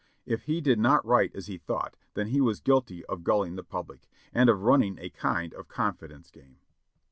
If he did not write as he thought, then he was guilty of gulling the public, and of running a kind of confidence game.